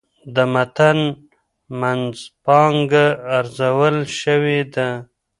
د متن منځپانګه ارزول شوې ده.